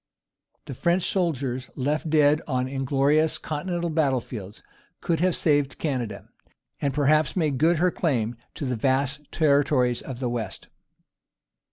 The French soldiers left dead on inglorious Continental battle fields could have saved Canada, and perhaps made good her claim to the vast territories of the West.